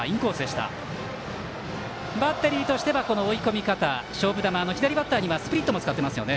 バッテリーとしては追い込み方勝負球、左バッターにはスプリットも使っています。